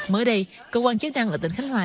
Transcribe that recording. mới đây cơ quan chiến đăng ở tỉnh khánh hoa